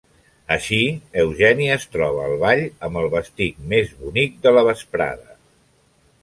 Així, Eugènia es troba al ball amb el vestit més bonic de la vesprada.